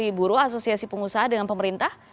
dari buruh asosiasi pengusaha dengan pemerintah